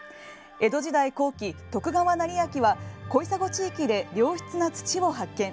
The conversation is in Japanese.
江戸時代後期、徳川斉昭は小砂地域で良質な土を発見。